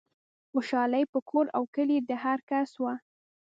خوشحالي په کور و کلي د هرکس وه